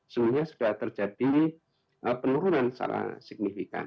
sebenarnya sudah terjadi penurunan secara signifikan